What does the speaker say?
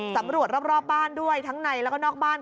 สำรวจรอบบ้านด้วยทั้งในแล้วก็นอกบ้าน